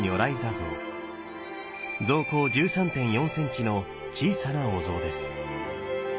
像高１３．４ｃｍの小さなお像です。